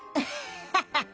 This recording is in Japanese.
ハハハハハ！